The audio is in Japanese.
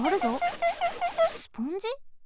スポンジ？